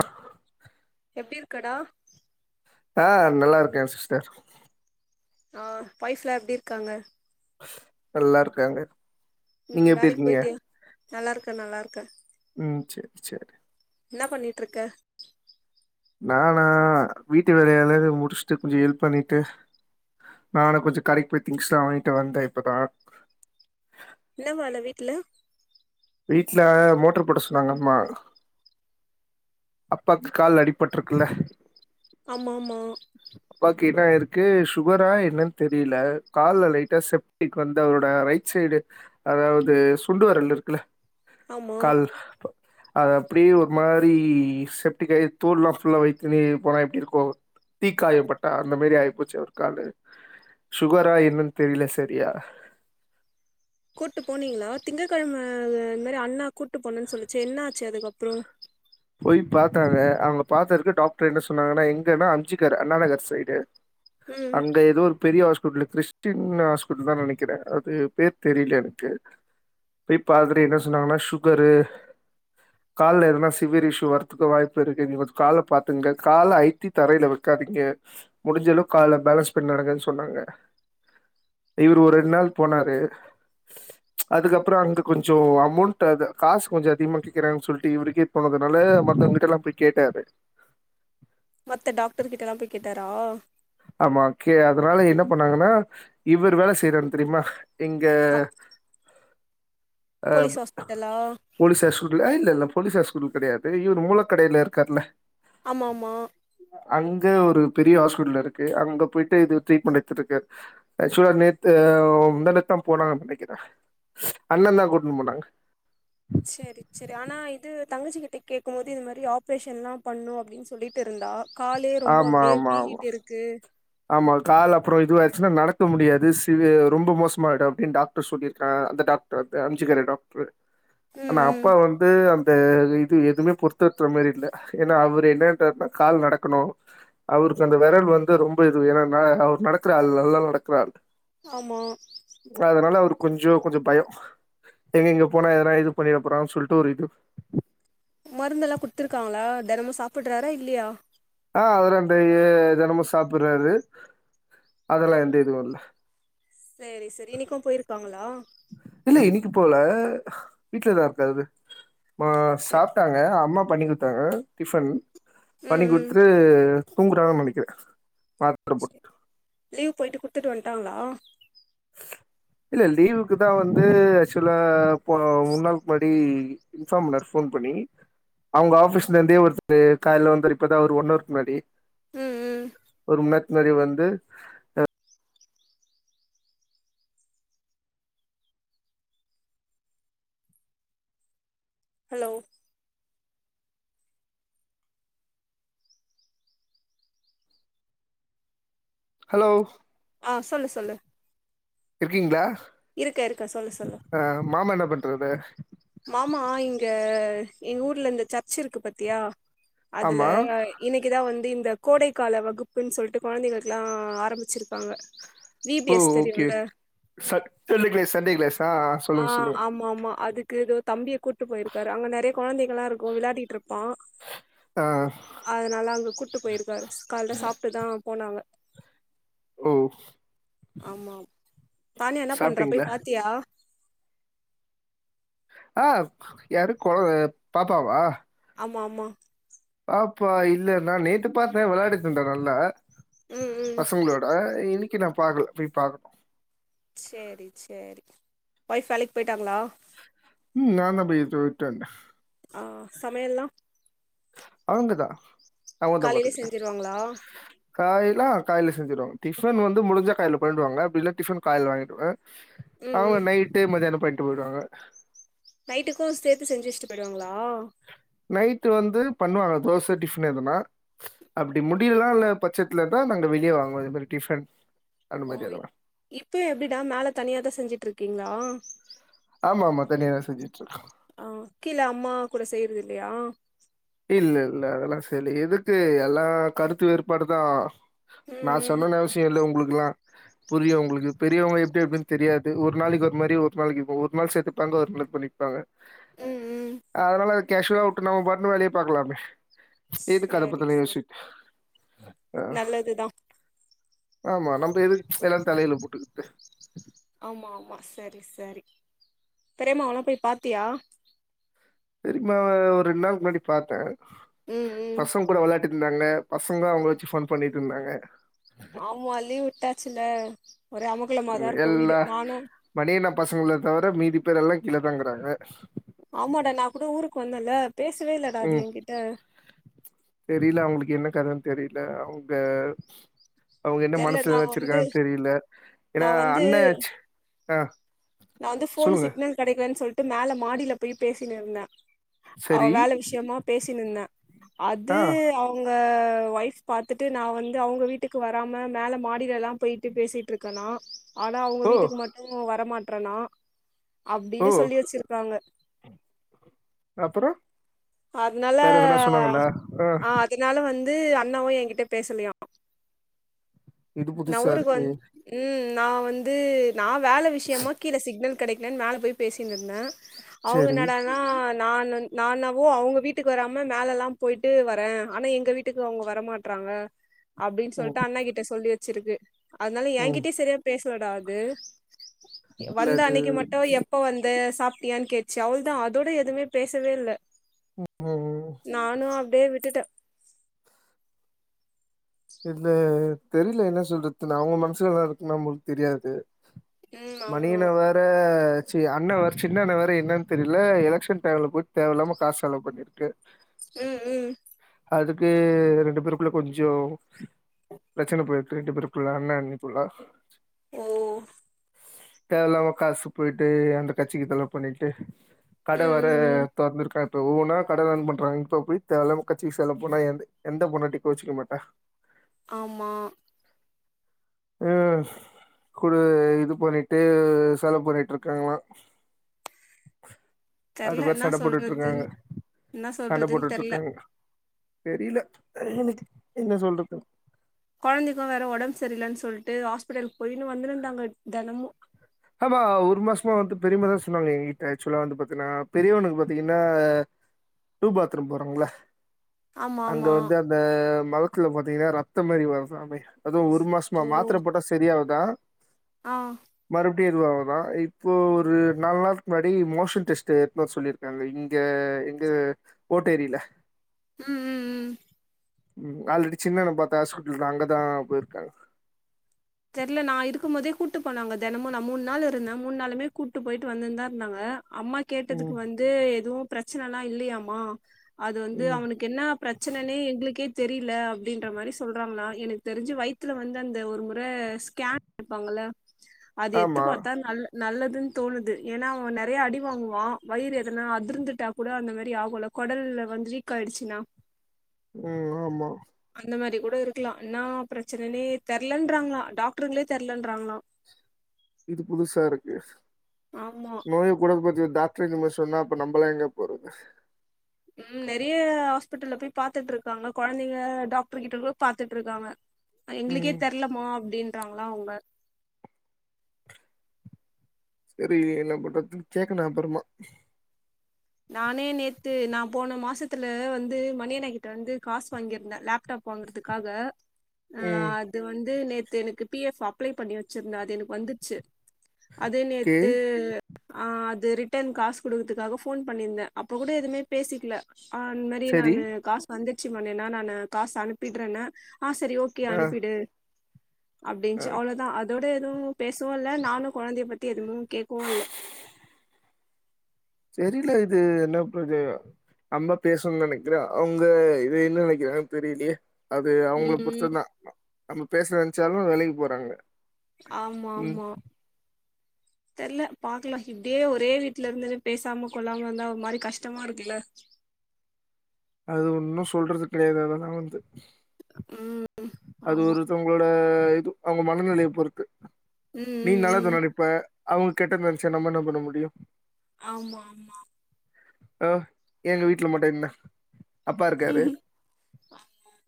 அஹ் எப்டி இருக்கடா ஆஹ் நல்லா இருக்கே சிஸ்டர் ஆஹ் பய்ஃப்ல எப்படி இருக்காங்க நல்லா இருக்காங்க நீங்க உம் எப்டி வேலைக்கு போய்ட்டியா நல்லா இருக்கே நல்லா இருக் க்க உம் சேரி சேரி ட்ருக்க நானா வீட்டு வேலையால முடிச்சுட்டு கொஞ்ச ஹெல்ப் பண்ணிட்டு நானு கொஞ்சம் கடைக்கு போய் திங்ஸ் எல்லா வாங்கிட்டு வந்தே இப்பதா என்ன வேல வீட்டுல வீட்டுல மோட்டர் போட்ட சொன்னாங்க அம்மா அப்பாக்கு கால் அடிபட்டுருக்குல்ல ஆமா ஆமா க்கு என்னாயிருக்கு சுகரா என்னன் தெரியில கால்ல லைட்டா செப்டிக் வந்து அவரோட ரைட் சைடு அதாவது சுண்ட வரல் இருக்குல்ல ஆமா கால் அது அப்படியே ஒரு மாரி செப்டிக்காயி தோல்லா ஃபுல்லா வைத்துனு போனா எப்படி இருக்கு தீக்காயோ பட்டா அந்த மாரி ஆய்ப்போச்சு அவரு காலு சுகரா என்னன் தெரியல சரியா கூட்டு போனீங்களா திங்ககிழம இந்த மாரி அண்ணா கூட்டு போனுன் சொல்லிச்சு என்ன ஆச்சு அதுக்கப்புறோ போய் பாத்தாங்க அவங்க பாத்ததுக்கு டாக்டர் என்ன சொன்னாங்கன்னா எங்கன்னா அமிஞ்சிக்கர அண்ணாநகர் சைடு ம் அங்க எதோ ஒரு பெரிய ஆ புட்ல கிறிஸ்டின் ஹாஸ்புட்டல் தா நெனைக்கிறே அது பேர் தெரியல எனக்கு போய் பாத்துட்டு என்ன சொன்னாங்கன்னா சுகரு கால்ல எதான [unintelligible] வரத்துக்கு வாய்ப்பு இருக்கு நீங் கொஞ் கால பாத்துங்க கால அழுத்தி தரையில வெக்காதீங்க முடிஞ்ச அளவுக்கு கால்ல பேலன்ஸ் பண்ணி நடங்கன் சொன்னாங்க இவரு ஒரு ரெண்டு நாள் போனாரு அதுக்கப்புறோ அங்க கொஞ்சோ அமௌன்ட் அது காஸ் கொஞ்சோ அதிகமா கேக்கறாங்க சொல்ட்டு இவருக்கே போனதுனால மத்தவங்க கிட்ட எல்லா போய் கேட்டாரு மத்த டாக்டர் கிட்ட எல்லா போய் கேட்டாரா ஆமா கே அதனால என்ன பண்ணாங்கன்னா இவரு வேல செய்றாருன் தெரியுமா இங்க அ அஹ் போலீஸ் ஹாஸ்பிட்டலா போலிஸ் சேசுன்ல இல்லல்ல போலீஸ் [unintelligible] ஸ்கூல் கிடையாது இவரு மூல கடையில இருக்கார்ல ஆமாமா அங்க ஒரு பெரிய ஹாஸ்பிடல் இருக் கு அங்க போயிட்டு எதோ ட்ரீட் மண்ட் எடுத்திட்ருக்காரு எக்சுவலா நேத்து முந்தா நேத்து தா போனாங்கப் நெனைக்கிறே அண்ணன் தா கூட்னு போனாங்க சேரி சேரி ஆனா இது தங்கச்சி கிட்ட கேக்கும் போது இது மாரி ஆப்ரேஷன்ல்லா பண்ணு அப்டின் சொல்லிட்டு இருந்தா காலே ரொம்ப ஆமா அப்டியே ஆமா ஆமா வீங்கிட்டு இருக்கு ஆமா கால் அப்புறோ இதுவாச்சுன்னா நடக்க முடியாது சிவி ரொம்ப மோசமாய்டு அப்படின் டாக்டர் சொல்லியிருக்கா அந்த டாக்டர் வந்து அமிஞ்சிக்கர டாக்டரு ம் ஆனா ம் அப்பா வந்து அந்த இது எதுவுமே பொறுத்த [unintelligible] மாரி இல்ல ஏனா அவரு என்னாட்டாருனா கால் நடக்கணு அவருக்கு அந்த விரல் வந்து ரொம் ப இது ஏனா அவர் நடக்கற நல்லா நடக்கற ஆள் ஆமா அதனால அவரு கொஞ்சோ கொஞ்ச பயோ எங்க இங்க போனா எதனா இது பண்ணிட போறான் சொல்ட்டு ஒரு இது மருந்தெல்லா குடுத்துருக்காங்களா தெனமு சாப்ட்றாரா இல்லையா ஆஹ் அதல்லா அந்த டெய்யி தினமு சாப்பிட்றாரு அதெல்லா எந்த இதுவு இல்ல சேரி சேரி இன்னைக்கு போயிருக்காங்களா இல்ல இன்னைக்கு போல வீட்லதா இருக்காரு மா சேர் சாப்ட்டாங்க அம்மா பண்ணி குடுத்தாங்க டிஃபன் பண்ணி ம் ம் குடுத்துட்டு தூங்குறார்னு நெனைக்குறே சேர் லீவ் போய்ட்டு குடுத் துட்டு வந்ட்டாங்களா இல்ல லீவுக்கு தா வந்து ஆக்சுவலா போ மூணு நாளுக்கு முன்னாடி இன்ஃபார்ம் பண்ணாரு ஃபோன் பண்ணி அவங்க ஆஃபிஸ்ல இருந்தே ஒருத்தர் கால்ல வந்தார் இப்பதா ஒரு ஒன் அவருக்கு முன்னாடி ம் ம் ஒரு மண் நேரத் மாரி வந்து அ ஹலோ ஹலோ ஆ சொல்லு சொல்லு இருக்கீங்ளா இருக்க இருக்க சொல்லு சொல்லு அ மாமா என்ன பண்றது மாமா இங்க எங்க ஊர்ல இந்த சர்ச் இருக்கு பாத்தியா அதுல ஆமா இன்னைக்கு தா வந்து த கோடைக்கால வகுப்புன் சொல்ட்டு கொழந்தைகளுக்குல்லா ஆரம்பிச்சிருக்காங்க V P O S okay தெரியுல்ல ச செ க சண்டே க்ளேஸ் ஆ ஆமா ஆமா அது கு தோ தம்பி கூட்டு போய்ருக்காரு அங்க நெறைய கொழந்தைகலா இருக்கு விளையாடிட்ருப்பா ஆ அதனால அங்க கூட்டு போய்ருக்காரு கால்லே சாப்ட்டு தா போனாங்க ஓ ஆமா தானி என்ன பண்றா சாப்ட்டீங்களா போய் பாத்தியா ஆ யாரு கொ பாப்பாவா ஆமா ஆமா பாப்பா இல்ல நா நேத்து பாத்த வெளாடிட்டு இருந்தா நல்லா ம் ம் பசங்களோட இன்னைக்கி நா பாக்ல போய் பாக்கணு சேரி சேரி ஒய்ஃப் வேலைக்கி பேய் ட்டாங்களா ம் நா தா போய் விட்டு விட்டு வன்ட்ட ஆ சமையல்லா அவங்கதா காலைலே செஞ்சுருவாங்களா காலைல காலைல செஞ்சுடுவாங்க டிஃபன் வந்து முடிஞ்சா காலைல பண்ணிடுவாங்க அப்டில்ல டிஃபன் காலைல வாங்கிடுவ ம் அவங்க ம் நைட்டு மதியானம் பண்ட்டு போய்டுவாங்க நைட்டுக்கு சேத்து செஞ்சு வச்சுட்டு போய்டுவாங்களா நைட் வந்து பண்ணுவாங்க தோசை டிஃபன் எதுனா அப்டி முடிலனா இல்ல பட்சத்துல தா நாங்க வெளியே வாங்குவோ இது மாறி டிஃபன் அந்த மாதிரி ஓய் அதெல்லாம் இப்போ எப்டிடா மேல தனியா தா செஞ்சுட்ருக் கீங்ளா ஆமா ஆமா தனியா தா செஞ்சுட்ருக்கோ ப்பயா இல்ல இல்ல அதெல்லா [unintelligible] எதுக்கு எல்லா கருத்து வேறுபாடுதா நா ம் ம் சொல்லனு அவசியில்ல உங்ளுக் மா புரியு ஒங்களுக்கு பெரியவங்க எப்டி அப்டின்னு தெரியாது ஒரு நாளைக்கு ஒரு மாறி ஒரு நாளைக்கு ஒரு நாள் சேத்துப்பாங்க ஒரு நாளைக்கு பண்ணிப்பாங்க ம் ம் அதனால கேஷூவலா உட்றனு அவுங்கபாட்னு வேலய பாக்கலாமே எதுக்கு சேரி அதப்பத்திலா யோஸ்சு சேரி ஆஹ் நல்லதுதா ஆமா நம்ம எதுக்கு எல்லா தலயில போட்டுக்கிட்டு ஆமா ஆமா சரி சரி தெரியாம அவுங்லலா போய் பாத்தியா நா ஒரு ரெண்டு நாள்க்கு முன்னாடி பாத்தே ம் ம் பசங்கூட வெளயாட்டு ந்தாங்க பசங்ளு அவுங்கள வச்சு ஃபன் பண்ணிட்ருந்தாங்க ஆமா லீவ்விட்டாச்சுல ஒரே அமக்களமா தா உம், இருக்கு வீடு எல்லா நானு மணியண்ணா பசங்கள தவர மீதி பேர் எல்லா கீழதா இக்கறாங்க ஆமாடா நா கூட ஊருக்கு வந்தன்ல உம் தெரில அவங்களுக்கு என்ன கரு தெரில அவங் ஆ அவுங்க என்ன தெர்ல நா மனஸ்ல வந்து வச்சுருக்காங்னு தெரில்ல நா ஏன்னா வந்து அன்னேச் ஆஹ் நா வந்து ஃபோன் சிக்னல் கெடைக்கலேன் சொல்ட் ட்டு மேல மாடில போயி பேசினுருந்தே அவ சரி. வேல விஷயமா பேசினிருந்தே அது ஆ. அவங்க அஹ் ஒய்ஃப் பாத்துட்டு நா வந்து அவுங்க வீட்டுக்கு வராம மேல மாடிலெல்லா போய்ட்டு பேசிட்டிருக்கனா ஆனா அவுங்க ஓ! வீட்டுக்கு மட்டு வரமாட் ட்டறனா ஓ! அப்டினு சொல்லி வச்சிருக்காங்க அப்பற அதனால ஆ அதனால வந் து அண்ணாவு எங்கிட்ட பேசலயா இது நா புதுசா ஊருக்கு இருக்கே. வந் ம் நா வந்து நா வேல விஷயமா கீழ சிக்னல் கெடைக்கலன் மேல போய் பேசினிரு ந்த அவுங்க சரி. என்னடானா நானன் நா என்னவோ அவுங்க வீட்டுக்கு வராம மேலலா போய்ட்டு வரே ஆனா எங்க வீட்டுக்கு அவுங்க வரமாட்றாங்க அப்டின் ம். சொல்ட்டு அண்ணங்கிட்ட சொல்லி வெ ச்சிருக்கு அதனால ம். என்கிட்யே செரியா பேசலடா அது இல்ல வந்த அது அன்னைக்கு மட்டு எப்ப வந்த சாப்ட்டியா கேட்ச்சு அவள்தா அதோட எதுமே பேசவே இல்ல ம் நானு அப்டியே விட்டுட்டே இல்ல தெரில என்ன சொல்றதுனு அவுங்க மனசுல வேற இருக் நம்மளுக் தெரியாது ம் மணி ஆமா அண்ண வேற ச்சு அண்ண வேற் சின்ன அண்ண வேற என்னன் தெரில எலக்க்ஷன் டைம்ல போய் தேவயில்லாம காசு செலவு பண்ணிர்க்கு உம் உம் அதுக்கு ரெண்டு பேருக்குள்ள கொஞ்சோ ப்ரச்சன போய்ட்டு ரெண்டு பேருக்குள்ள அண்ணா அண்ணிக்குள்ள ஓ தேவயில்லாம காசு போய்ட்டு அந்த கட்சிக்கு செலவு பண்ணிட்டு கட ம் வேற ம் ம் துறந்துருக்கா இப்ப ஒவ்வன கட ரன் பண்றாங்க இப்போ போய் தேவயில்லாம கச்சிக்கு செலவு பண்ணா எந்த பொண்டாடி கோவிச்சிக்க மாட்ட ஆமா ம் குடு இது பண்ணிட்டு செலவு பண்ணிட்டு இருக்காங்களா அது தெர்ல வேற என்ன சண்ட போட்டுட்டு சொல்றதுன்னு இருக்காங்க என்ன சண்ட சொல்றதுன்னு போட்டுட்டு தெர்ல இருக்காங்க தெரியல எனக்கு என்ன சொல்றதுன்னு குழந்தைக்கும் வேற உடம்பு சரியிலன்னு சொல்லிட்டு ஹாஸ்பிடலுக்கு போயின்டு வந்திருந்தாங்க தினமும் ஆமா ஒரு மாசமா வந்து பெரிமாதா சொன்னாங்க எங்கிட்ட ஆச்சுவலா வந்து பாத்தீங்கன்னா பெரியவனுக்கு பாத்தீங்கன்னா டூ பாத்ரூம் போறாங்களா ஆமா அங்க ஆமா வந்து அந்த மலத்துல பார்த்தீங்கன்னா ரத்த மாதிரி வருதாமே அதுவும் ஒரு மாசமா மாத்திர போட்டா சரியாகு தா ஆ மறுபடியும் இதுவாகுதா இப்போ ஒரு நாலு நாலுக்கு முன்னாடி மோஷன் டெஸ்ட் எடுத்துடு வர சொல்லியிருக்காங்க இங்க எங்க ஓட்டேரில உம் உம் உம் உம் ஆல்ரெடி சின்னன்ன பாத்தா ஹாஸ்பிட்டல் தா அங்கதா போயிருக்காங்க தெரியல நான் இருக்கும் போதே கூட்டு போனாங்க தினமும் நான் மூணு நாள் இருந்தேன் மூணு நாளுமே கூட்டு போயிட்டு வந்துந்தா இருந்தாங்க அம்மா கேட்டதுக்கு ம் வந்து எதுவும் பிரச்சனயெல்லாம் இல்லையாமா அது வந்து ம் அவனுக்கு என்ன பிரச்சனைனே எங்களுக்கே தெரியல அப்படின்ற மாதிரி சொல்றாங்கனா எனக்கு தெரிஞ்சு வயித்ல வந்து அந்த ஒரு மு ப்ப ஸ்கேன் எடுப்பாங்கல்ல அது எடுத்து ஆமா பார்த்தா நல்ல நல்லதுன்னு தோணுது ஏன்னா அவன் நிறைய அடி வாங்குவான் வயிறு எதனா அதிர்ந்துட்டா கூட அந்த மாதிரி ஆகுல குடல் வந்து வீக்காயிடுச்சினா உம் ஆமா இந்த மாதிரி கூட இருக்கலாம் என்னா பிரச்சனைனே தெரிலன் திட்ராங்க டாக்டருங்களே தெரியலேன்றாங்கண்ணா இது புதுசா இருக்கு ஆமா நோய குணப்படுத்திய டாக் ரே இப்படிசொன்னா அப்ப நம்மெலாம் எங்க போறது ம் நிறைய ஹாஸ்பிட்டல்ல போய் பார்த்துட்டு இருக்காங்க குழந்தைங்க டாக்டர் கிட்ட கூட பார்த்துட்டு இருக்காங்க எங்களுக்கே ம் தெரிலமா அப்படின்றாங்கண்ணா அவங்க சரி என்ன பண்றது கேக்கணும் அப்பறமா நானே நேத்து நான் போன மாசத்துல வந்து மணியண்ண கிட்ட வந்து காசு வாங்கியிருந்தேன் லேப்டாப் வாங்கறதுக்காக ம் ஆஹ் அது வந்து நேத் து எனக்கு பிஎஃப் அப்ளை பண்ணி வச்சிருந்தே அது எனக்கு வந்துச்சு அது ஓகே நேத்து ஆஹ் ரிட்டர்ன் காசு குடுக்கறதுக்காக போன் பண்ணிருந்தேன் அப்ப கூட எதுவுமே பேசிக்கல ஆஹ் அந்த மாதிரி சரி நான் காசு வந்து நிச்சயமா நானு காசு அனுப்பிட றேனே ஆஹ் சரி ஓகோ ஆ அனுப்பிடு ஆ அப்டின்ச்சு அவ்ளோதான் அது அதோட எதுவும் பேசவும் இல்ல நானும் குழந்தைய பத்தி எதுவும் கேக்கவும் இல்ல தெரியல இது என்ன ப்ரோஜ அம்மா பேசணும்னு நினைக்கிறேன் அவங்க இது என்ன நினைக்கிறாங்குன்னு தெரியலியே. அது அவுங்கள ம் பொறுத்தது தான். நம்ம பேச நினைச்சாலும் விலகி போறாங்க ம் ஆமாமா தெரியல பாக்கலாம் இப்படியே ஒரே வீட்டுல இருந்துட்டு பேசாம கொள்ளாம இருந்தா ஒரு மாதிரி கஷ்டமா இருக்குல்ல அது ஒன்னும் சொல்றது கிடையாது அத நான் வந்து உம் அது ஒருத்தவங்களோட ஆ இது அவங்க மனநிலைய பொறுத்து நீ ம் ம் நல்லத ம் நனப்ப அவங்க கெட்டத நெனச்சா நம்ம என்ன பண்ண முடியு ஆமா ஆமா ஆஹ் எங்க வீட்ல மட்டு என்ன அப்பா இருக்காரு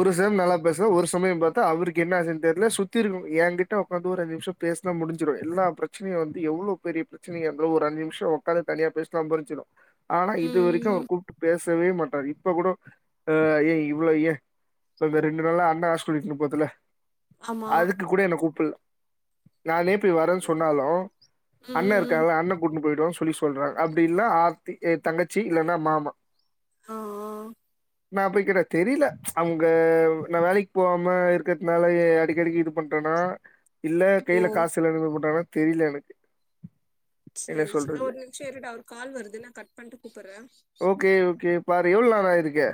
ஒரு செம் நல்லா பேசுறா ஒரு சமயம் பாத்தா அவருக்கு என்ன ஆச்சின்னு தெர்லா சுத்தி இருக்க எகிட்ட உக்காந்து ஒரு அஞ்சு நிமிசம் பேசுனா முடிஞ்சிடு எல்லா பிரச்சனையு வந்து எவ்ளோ பெரிய பிரச்சனையா இருந்தாலு ஒரு அஞ்சு நிமிஷொ உக்காந்து தனியா பேசினா முடிஞ்சிடு ஆனா இது ம் வரைக்கு ம் ம் அவர் கூப்ட்டு பேச் சவே மாட்டாரு இப்ப கூட ஆஹ்ன் ஏ இவ்வளோ ஏ இந்த ரெண்டு நாளா அண்ணா ஹாஸ் பிடல் போதுல ஆமா அதுக்கு கூட என்ன கூப் புல்ல நானே போய் வரேன்னு சொன்னாலு ம் அண்ண ம் ம் இருக்காகல அண்ண கூட்னு போய்ட்டு சொல்லி சொல்றாங்க அப்டி இல்லனா ஆர்த்தி எ தங்கச்சி இல்லன்னா மாமா ஆஹ் ஆஹ் நா போய் கேட்டா தெரில அங்க நா வேலைக்கு போவாம இருக்கிறதுனாலயே அடிக்கடிக்கு இது பண்றானா இல்ல கையில ஓ காசு இல்லன்னு போட்டானா தெரில எனக்கு என்ன சரி சரி நா சொல்றது? ஒரு நிமிஷொ இருடா ஒரு கால் வருது நா கட் பண்டு கூப்பிட்ற ஓகே ஓகே பாரு எவ்ளோ நாள இருக்கே